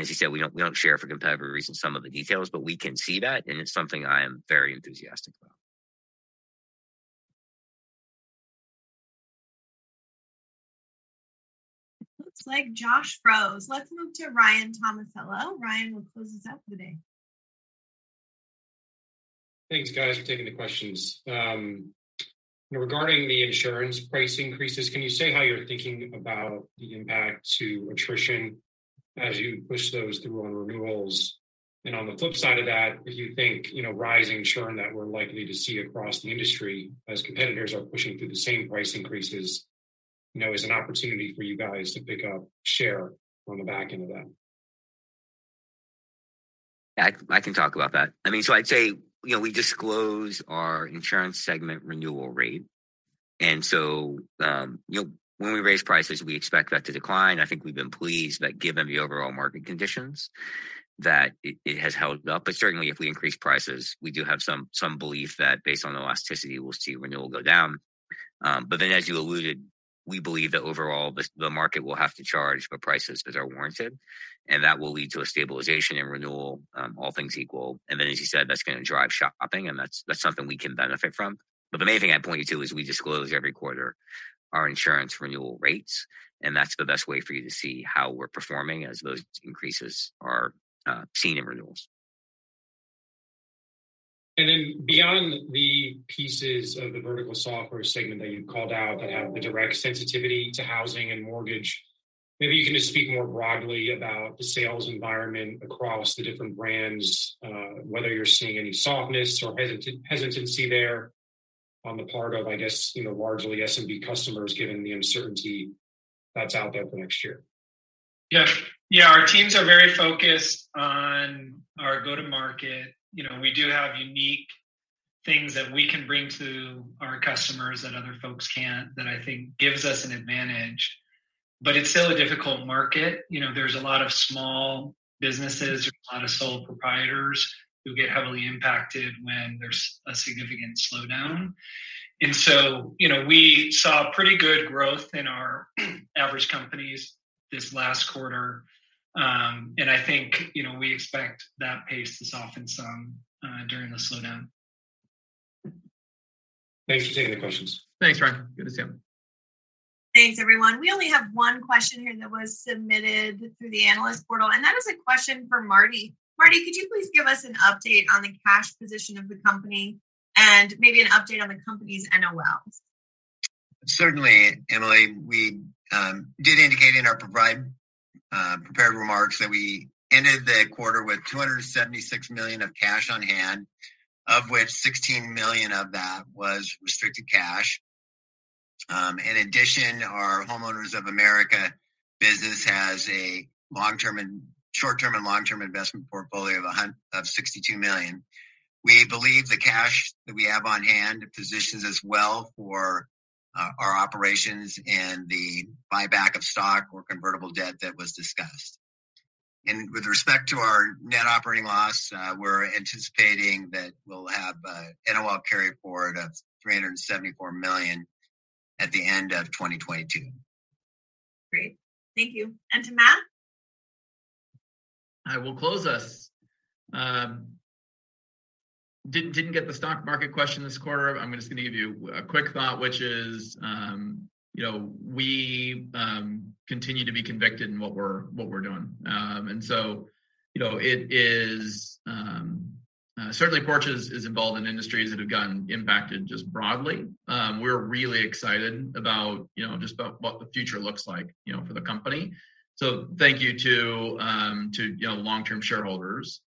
Speaker 5: As he said, we don't share for competitive reasons some of the details, but we can see that, and it's something I am very enthusiastic about.
Speaker 1: Looks like Josh froze. Let's move to Ryan Tomasello. Ryan will close us out for the day.
Speaker 12: Thanks, guys, for taking the questions. Regarding the insurance price increases, can you say how you're thinking about the impact to attrition as you push those through on renewals? On the flip side of that, if you think, you know, rising churn that we're likely to see across the industry as competitors are pushing through the same price increases, you know, is an opportunity for you guys to pick up share on the back end of that.
Speaker 5: I can talk about that. I mean, I'd say, you know, we disclose our insurance segment renewal rate. You know, when we raise prices, we expect that to decline. I think we've been pleased that given the overall market conditions, that it has held up. Certainly if we increase prices, we do have some belief that based on elasticity, we'll see renewal go down. As you alluded, we believe that overall the market will have to charge for prices that are warranted, and that will lead to a stabilization and renewal, all things equal. As you said, that's gonna drive shopping, and that's something we can benefit from. The main thing I'd point you to is we disclose every quarter our insurance renewal rates, and that's the best way for you to see how we're performing as those increases are seen in renewals.
Speaker 12: Beyond the pieces of the vertical software segment that you called out that have the direct sensitivity to housing and mortgage, maybe you can just speak more broadly about the sales environment across the different brands, whether you're seeing any softness or hesitancy there on the part of, I guess, you know, largely SMB customers given the uncertainty that's out there for next year.
Speaker 2: Yeah. Yeah, our teams are very focused on our go-to-market. You know, we do have unique things that we can bring to our customers that other folks can't that I think gives us an advantage, but it's still a difficult market. You know, there's a lot of small businesses or a lot of sole proprietors who get heavily impacted when there's a significant slowdown. You know, we saw pretty good growth in our average companies this last quarter. I think, you know, we expect that pace to soften some during the slowdown.
Speaker 12: Thanks for taking the questions.
Speaker 2: Thanks, Ryan. Good to see you.
Speaker 1: Thanks, everyone. We only have one question here that was submitted through the analyst portal, and that is a question for Marty. Marty, could you please give us an update on the cash position of the company and maybe an update on the company's NOLs?
Speaker 3: Certainly, Emily. We did indicate in our prepared remarks that we ended the quarter with $276 million of cash on hand, of which $16 million of that was restricted cash. In addition, our Homeowners of America business has a short-term and long-term investment portfolio of $62 million. We believe the cash that we have on hand positions us well for our operations and the buyback of stock or convertible debt that was discussed. With respect to our net operating loss, we're anticipating that we'll have a NOL carryforward of $374 million at the end of 2022.
Speaker 1: Great. Thank you. To Matt?
Speaker 2: I will close us. Didn't get the stock market question this quarter. I'm just gonna give you a quick thought, which is, you know, we continue to be convicted in what we're doing. You know, it is certainly Porch is involved in industries that have gotten impacted just broadly. We're really excited about, you know, just about what the future looks like, you know, for the company. Thank you to, you know, long-term shareholders.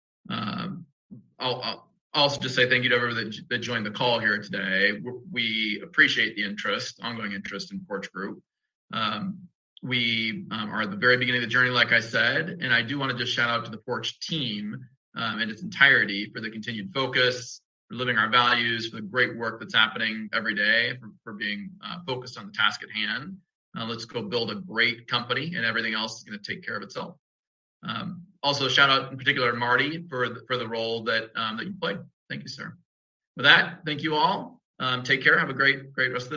Speaker 2: I'll also just say thank you to everyone that joined the call here today. We appreciate the interest, ongoing interest in Porch Group. We are at the very beginning of the journey, like I said, and I do wanna just shout out to the Porch team in its entirety for the continued focus, for living our values, for the great work that's happening every day, for being focused on the task at hand. Let's go build a great company, and everything else is gonna take care of itself. Also shout out in particular to Marty for the role that you played. Thank you, sir. With that, thank you all. Take care. Have a great rest of the day.